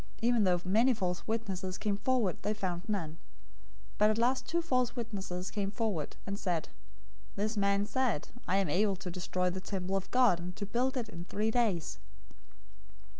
Even though many false witnesses came forward, they found none. But at last two false witnesses came forward, 026:061 and said, "This man said, 'I am able to destroy the temple of God, and to build it in three days.'"